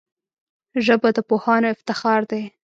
ژبه د پوهانو افتخار دی